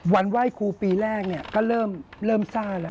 วันไหว้ครูปีแรกก็เริ่มซ่าแล้ว